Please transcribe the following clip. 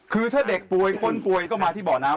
คือถ้าเด็กป่วยคนป่วยก็มาที่เบาะน้ำ